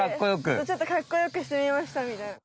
ちょっとかっこよくしてみましたみたいな。